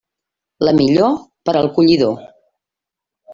La millor, per al collidor.